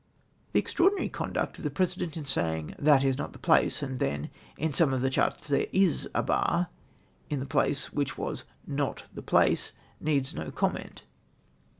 The extraordinary conduct of the President in saying " That is not the place,'" and then that " in some of the charts there is a bar," in the place which was " not the place," needs no comment.